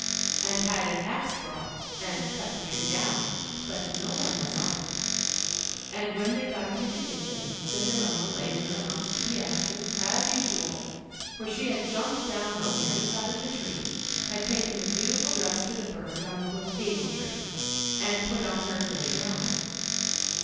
and had an axe brought and cut the tree down, but no one was on it. And when they got into the kitchen, Cinderella lay there amongst the ashes, as usual, for she had jumped down on the other side of the tree, had taken the beautiful dress to the bird on the little hazel tree, and put on her grey gown.